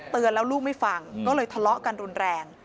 เตือนแล้วลูกไม่ฟังก็เลยทะเลาะกันรุนแรง